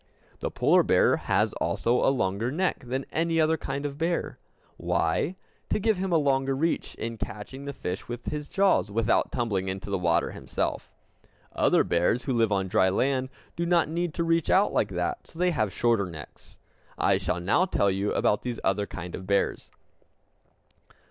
The polar bear has also a longer neck than any other kind of bear. Why? To give him a longer reach in catching the fish with his jaws without tumbling into the water himself. Other bears, who live on dry land, do not need to reach out like that, and so they have shorter necks. I shall now tell you about these other kinds of bears.